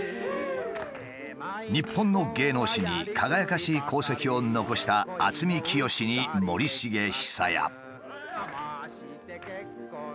日本の芸能史に輝かしい功績を残した渥美清に森繁久彌。